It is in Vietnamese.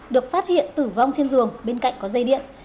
được phát hiện tử vong trên giường bên cạnh có dây điện